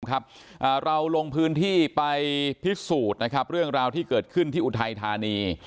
ครับเราลงพื้นที่ไปพิสูจน์นะครับเรื่องราวที่เกิดขึ้นที่อุทัยธานี